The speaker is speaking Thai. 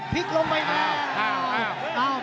พลิกลงไปอีกแล้ว